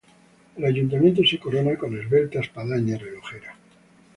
El Ayuntamiento se corona con esbelta espadaña relojera.